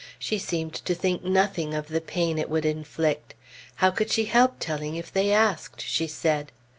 She seemed to think nothing of the pain it would inflict; how could she help telling if they asked? she said.